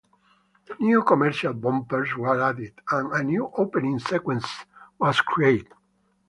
New commercial bumpers were added and a new opening sequence was created.